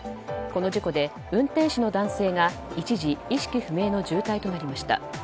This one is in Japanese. この事故で運転手の男性が一時意識不明の重体となりました。